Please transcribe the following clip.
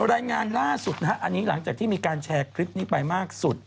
รายงานล่าสุดนะฮะอันนี้หลังจากที่มีการแชร์คลิปนี้ไปมากสุด